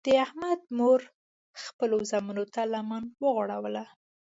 د احمد مور خپلو زمنو ته لمنه وغوړوله.